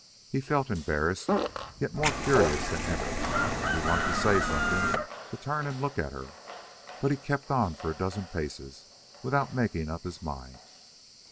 He felt embarrassed, yet more curious than ever; he wanted to say something, to turn and look at her, but he kept on for a dozen paces without making up his mind.